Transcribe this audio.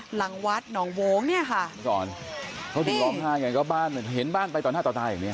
หลังวัดหนองโว้งเนี้ยค่ะเขาถึงร้องไห้กันก็บ้านเหมือนเห็นบ้านไปต่อหน้าต่อตาอย่างเนี้ย